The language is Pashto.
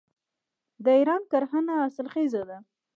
د ایران کرنه حاصلخیزه ده.